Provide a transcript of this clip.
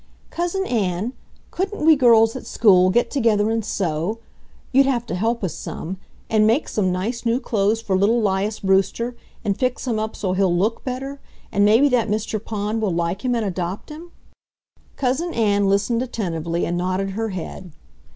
"Cousin Ann, couldn't we girls at school get together and sew—you'd have to help us some—and make some nice, new clothes for little 'Lias Brewster, and fix him up so he'll look better, and maybe that Mr. Pond will like him and adopt him?" Cousin Ann listened attentively and nodded her head.